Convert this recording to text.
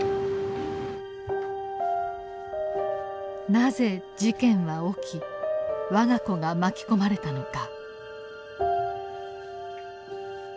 なぜ事件は起き我が子が巻き込まれたのか。